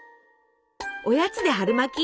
おやつで春巻き？